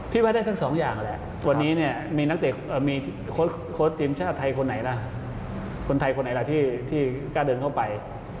พี่ไว้ได้ทั้งสองอย่างวันนี้มีโค้ชทีมชาติไทยคนไหนล่ะคนไทยคนไหนล่ะที่กล้าเดินเข้าไป